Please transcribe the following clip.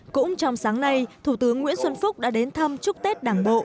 cũng trong sáng nay thủ tướng nguyễn xuân phúc đã đến thăm chúc tết đảng bộ